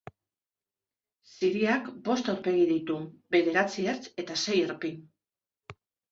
Ziriak bost aurpegi ditu, bederatzi ertz eta sei erpin.